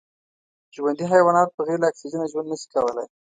ژوندي حیوانات بغیر له اکسېجنه ژوند نشي کولای